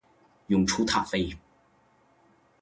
永雏塔菲